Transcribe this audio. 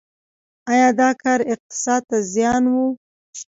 آیا دا کار اقتصاد ته زیان و؟